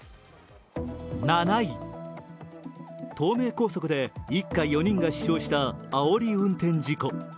７位、東名高速で一家４人が死傷したあおり運転事故。